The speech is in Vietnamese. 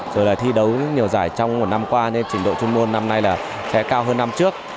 rồi là thi đấu nhiều giải trong một năm qua nên trình độ chuyên môn năm nay là sẽ cao hơn năm trước